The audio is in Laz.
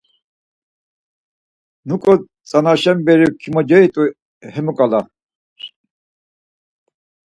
Nuǩu tzanaşa beri komocerirt̆u himu şǩala.